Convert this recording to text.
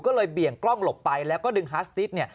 ก็เลยเบี่ยงกล้องหลบไปแล้วก็ดึงฮาสติกเนี่ย